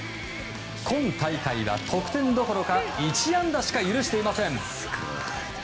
今大会は得点どころか１安打しか許していません。